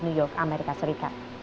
pemimpin kepada intensif dan singkongan